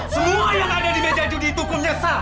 semua yang ada di meja judi itu kumyesal